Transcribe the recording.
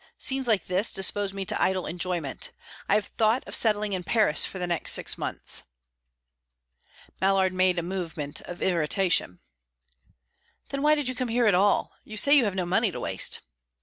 Scenes like this dispose me to idle enjoyment. I have thought of settling in Paris for the next six months." Mallard made a movement of irritation. "Then why did you come here at all? You say you have no money to waste."